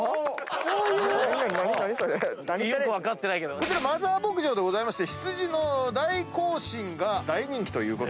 こちらマザー牧場でございまして羊の大行進が大人気と。